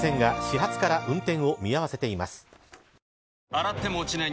洗っても落ちない